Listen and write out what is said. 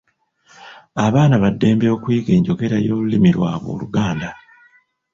Abaana ba ddembe okuyiga enjogera y’olulimi lwabwe Oluganda.